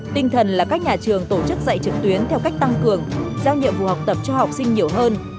tinh thần là các nhà trường tổ chức dạy trực tuyến theo cách tăng cường giao nhiệm vụ học tập cho học sinh nhiều hơn